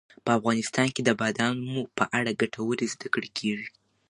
په افغانستان کې د بادامو په اړه ګټورې زده کړې کېږي.